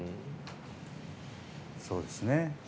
そうですね。